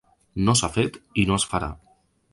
No s’ha fet i no es farà.